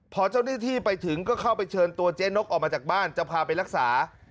พอเจ้าหน้าที่ไปถึงก็เข้าไปเชิญตัวเจ๊นกออกมาจากบ้านจะพาไปรักษา